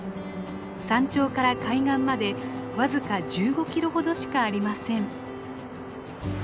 山頂から海岸まで僅か１５キロほどしかありません。